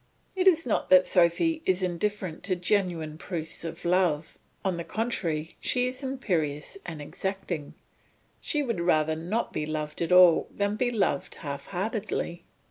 It is not that Sophy is indifferent to genuine proofs of love; on the contrary she is imperious and exacting; she would rather not be loved at all than be loved half heartedly.